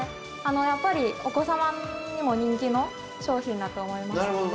やっぱりお子様にも人気の商品だと思いますので。